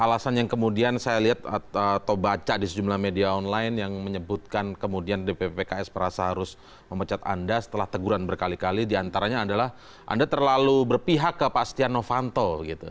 alasan yang kemudian saya lihat atau baca di sejumlah media online yang menyebutkan kemudian dppks merasa harus memecat anda setelah teguran berkali kali diantaranya adalah anda terlalu berpihak ke pak setia novanto gitu